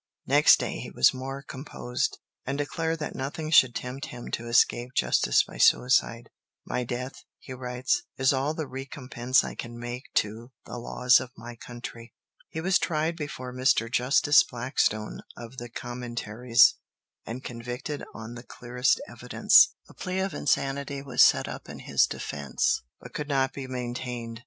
Next day he was more composed, and declared that nothing should tempt him to escape justice by suicide. "My death," he writes, "is all the recompense I can make to the laws of my country." He was tried before Mr. Justice Blackstone of the Commentaries, and convicted on the clearest evidence. A plea of insanity was set up in his defence, but could not be maintained.